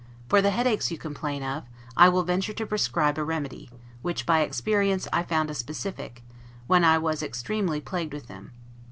For the headaches you complain of, I will venture to prescribe a remedy, which, by experience, I found a specific, when I was extremely plagued with them.